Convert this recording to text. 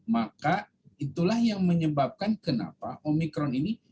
maka itulah yang menyebabkan kenapa omikron ini